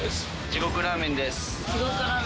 地獄ラーメンです。